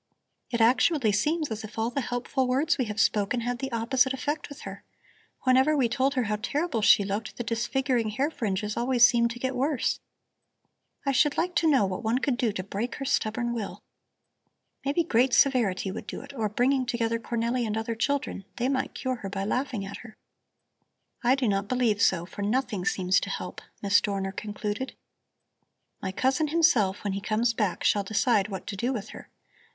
"It actually seems as if all the helpful words we have spoken had the opposite effect with her. Whenever we told her how terrible she looked, the disfiguring hair fringes always seemed to get worse. I should like to know what one could do to break her stubborn will. Maybe great severity would do it or bringing together Cornelli and other children; they might cure her by laughing at her." "I do not believe so, for nothing seems to help," Miss Dorner concluded. "My cousin himself, when he comes back, shall decide what to do with her.